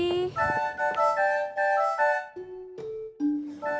pernah nanya siapa